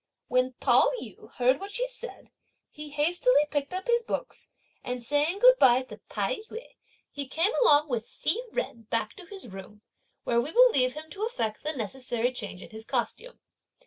When Pao yü heard what she said, he hastily picked up his books, and saying good bye to Tai yü, he came along with Hsi Jen, back into his room, where we will leave him to effect the necessary change in his costume.